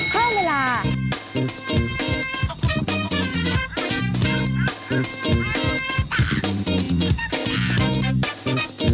สวัสดีครับ